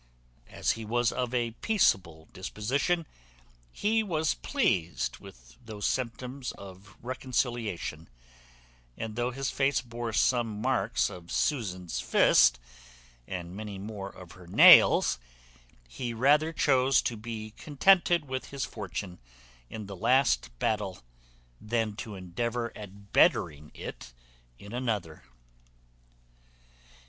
As he was of a peaceable disposition, he was pleased with those symptoms of reconciliation; and though his face bore some marks of Susan's fist, and many more of her nails, he rather chose to be contented with his fortune in the last battle than to endeavour at bettering it in another.